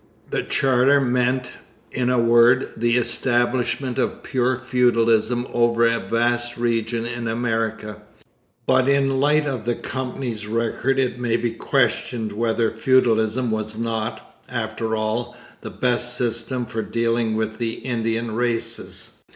The charter meant, in a word, the establishment of pure feudalism over a vast region in America. But in the light of the Company's record it may be questioned whether feudalism was not, after all, the best system for dealing with the Indian races.